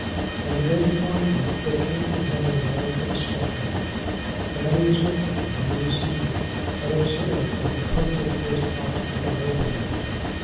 On the day before he went, there came to him a letter from Stratton. Fanny was with him when he received it, and observed that he put it into his pocket without opening it.